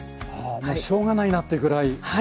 あもう「しょうが」ないなというぐらい。